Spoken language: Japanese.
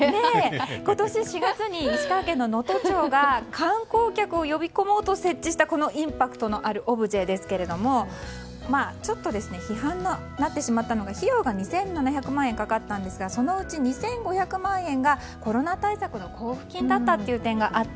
今年４月に石川県能登町が観光客を呼び込もうと設置したインパクトのあるオブジェですけれども批判の的になってしまったのが費用が２７００万円かかったんですがそのうち２５００万円がコロナ対策の交付金でした。